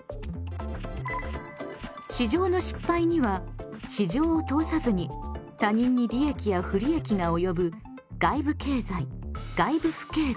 市場の失敗には市場を通さずに他人に利益や不利益が及ぶ外部経済・外部不経済。